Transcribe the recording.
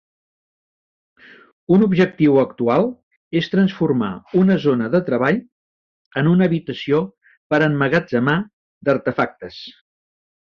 Un objectiu actual és transformar una zona de treball en una habitació per emmagatzemar d'artefactes.